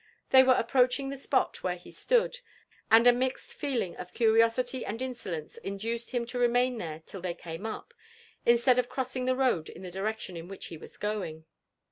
They wweapproachiag the ipot where be stood, «Ad a miie4 IttO , LIPB AND ADVENTUREd Q» teelingof curiosity and insolence induced him to remain there till they came up, instead of crossing the road in the direction in which he was going.